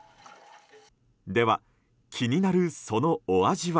では、気になるそのお味は。